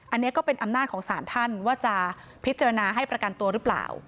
อันนี้ก็เป็นอำนาจของสารท่านว่าจะพิจารณาให้ประกันตัวหรือเปล่า